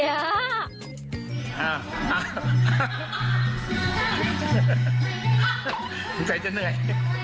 หัวใจจะเหนื่อย